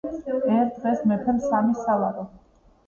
ერთ დღეს მეფემ, სამი სალარო .